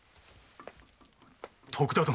徳田殿。